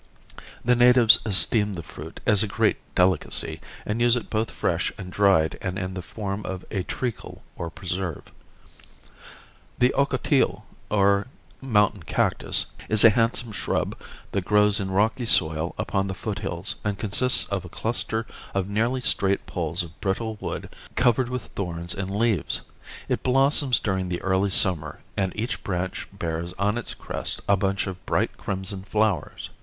The natives esteem the fruit as a great delicacy, and use it both fresh and dried and in the form of a treacle or preserve. The ocotillo, or mountain cactus, is a handsome shrub that grows in rocky soil upon the foothills and consists of a cluster of nearly straight poles of brittle wood covered with thorns and leaves. It blossoms during the early summer and each branch bears on its crest a bunch of bright crimson flowers.